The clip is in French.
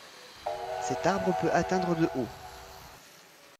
Cet arbre peut atteindre de haut.